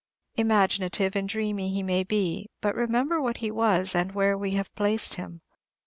Imaginative and dreamy he may be, but remember what he was, and where we have placed him.